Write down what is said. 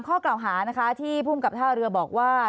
ข้อกล่าวหานะคะที่ภูมิกับท่าเรือบอกว่า